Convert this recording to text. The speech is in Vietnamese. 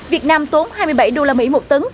việt nam tốn hai mươi bảy usd một tấn